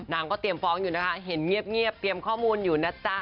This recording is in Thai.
นางก็เตรียมฟ้องอยู่นะคะเห็นเงียบเตรียมข้อมูลอยู่นะจ๊ะ